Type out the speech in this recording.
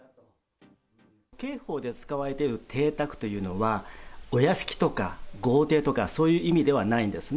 刑法で使われている邸宅というのは、お屋敷とか豪邸とか、そういう意味ではないんですね。